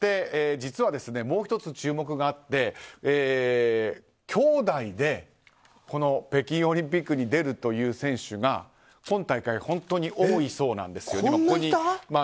そして、実はもう１つ注目があってきょうだいで北京オリンピックに出るという選手が今大会、本当に多いそうなんです。